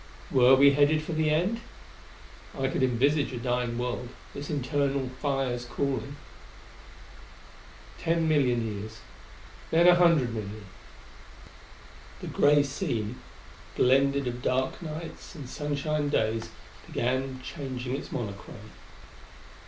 Were we headed for the End? I could envisage a dying world, its internal fires cooling. Ten million years.... Then a hundred million.... The gray scene, blended of dark nights and sunshine days, began changing its monochrome.